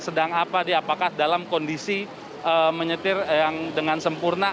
sedang apa di apakah dalam kondisi menyetir yang dengan sempurna